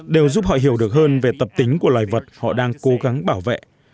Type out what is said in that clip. đều giúp họ hiểu được hơn về tập tính của loài vật họ đang cố gắng bảo vệ